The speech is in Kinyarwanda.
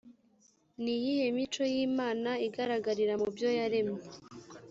ni iyihe mico y imana igaragarira mu byo yaremye